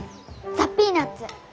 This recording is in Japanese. ザ・ピーナッツ。